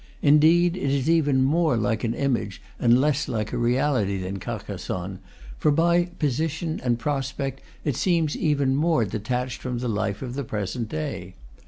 Indeed, it is even more like an image and less like a reality than Carcassonne; for by position and prospect it seems even more detached from the life of the present day.